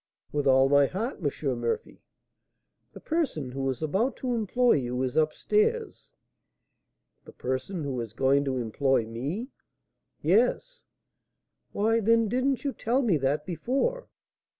"With all my heart, M. Murphy." "The person who is about to employ you is up stairs." "The person who is going to employ me?" "Yes." "Why, then, didn't you tell me that before?"